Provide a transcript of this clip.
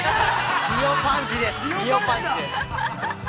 ◆リオパンチです。